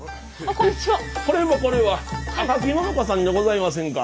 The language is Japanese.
これはこれは赤木野々花さんじゃございませんか。